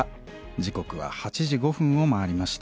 時刻は８時５分を回りました。